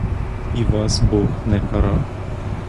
І вас бог не кара?